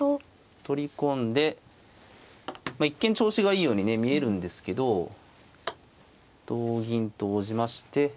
取り込んで一見調子がいいようにね見えるんですけど同銀と応じまして。